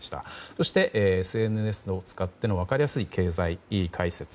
そして、ＳＮＳを使っての分かりやすい経済解説